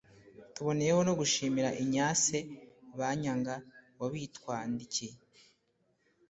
tuboneyeho no gushimira ignace banyaga wabitwandikiye